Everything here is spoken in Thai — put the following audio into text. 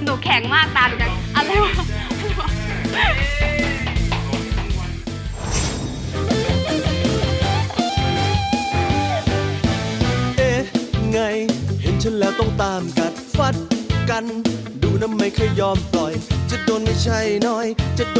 โอ้หนูแข็งมากตามอยู่จัง